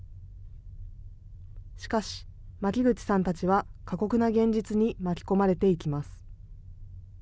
しかし、巻口さんたちは過酷な現実に巻き込まれていきます。